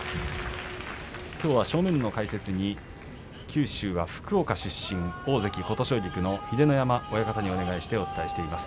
きょうは正面の解説に九州の福岡出身の大関琴奨菊の秀ノ山親方にお願いしてお伝えしています。